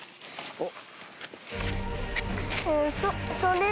おっ！